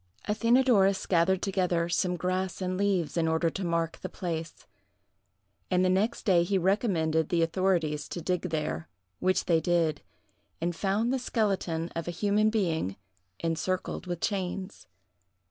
Athenadorus gathered together some grass and leaves, in order to mark the place; and the next day he recommended the authorities to dig there, which they did, and found the skeleton of a human being encircled with chains.